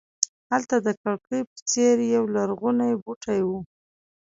هلته د کړکۍ په څېر یولرغونی بوټی و.